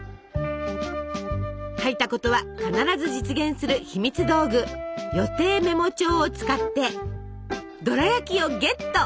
書いたことは必ず実現するひみつ道具「予定メモ帳」を使ってドラやきをゲット！